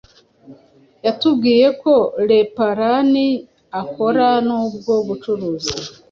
yatubwiye ko leparan akora n'ubwo bucuruzi